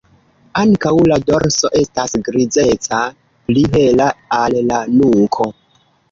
Ankaŭ la dorso estas grizeca, pli hela al la nuko.